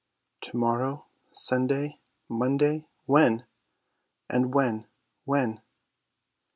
To morrow! Sunday! Monday? When? Ah, when, when?